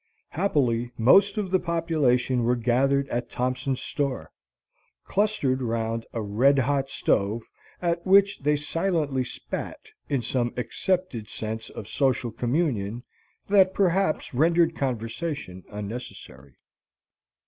Happily most of the population were gathered at Thompson's store, clustered around a red hot stove, at which they silently spat in some accepted sense of social communion that perhaps rendered conversation unnecessary.